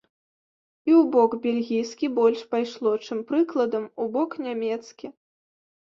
І ў бок бельгійскі больш пайшло, чым, прыкладам, у бок нямецкі.